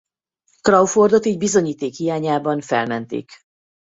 Crawfordot így bizonyíték hiányában felmentik.